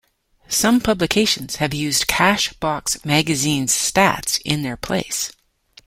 Some publications have used Cash Box magazine's stats in their place.